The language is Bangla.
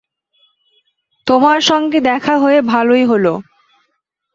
তোমার সঙ্গে দেখা হয়ে ভালেই হল।